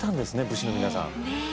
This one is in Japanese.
武士の皆さん。